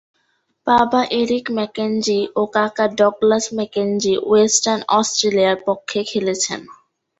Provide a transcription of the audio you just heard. বাবা Eric Mackenzie ও কাকা ডগলাস ম্যাকেঞ্জি ওয়েস্টার্ন অস্ট্রেলিয়ার পক্ষে খেলেছেন।